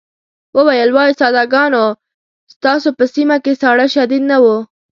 وویل وای ساده ګانو ستاسو په سيمه کې ساړه شديد نه وو.